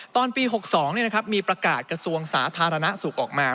ตอนปีหกสองเนี้ยนะครับมีประกาศกระทรวงสาธารณสุขออกมา